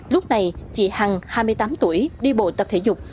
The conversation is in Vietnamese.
lúc này chị hằng hai mươi tám tuổi đi bộ tập thể dục